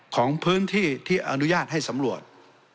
ของพื้นที่ที่อนุญาตให้สำรวจ